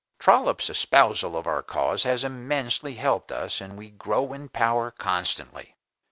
Trollop's espousal of our cause has immensely helped us and we grow in power constantly.